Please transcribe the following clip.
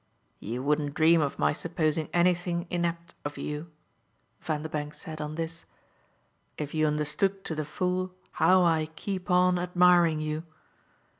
"You wouldn't dream of my supposing anything inept of you," Vanderbank said on this, "if you understood to the full how I keep on admiring you.